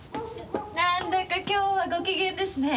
なんだか今日はご機嫌ですね。